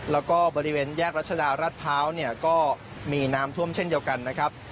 แล้วก็บริเวณแยกรัชดารัฐพร้าวเนี่ยก็มีน้ำท่วมเช่นเดียวกันนะครับ